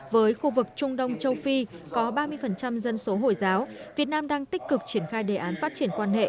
với khu vực trung đông châu phi có ba mươi dân số hồi giáo việt nam đang tích cực triển khai đề án phát triển quan hệ